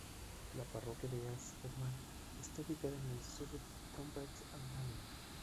La parroquia de East Peckham está ubicada en el sur de Tonbridge and Malling.